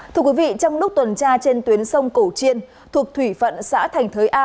trong lúc tuần tra trên tuyến sông cổ triên thuộc thủy phận xã thành thới a